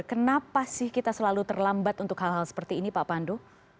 kenapa sih kita selalu terlambat untuk hal hal seperti ini pak pandu